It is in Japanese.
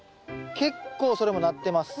結構それもなってます。